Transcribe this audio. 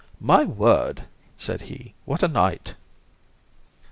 "My word!" said he, "what a night!"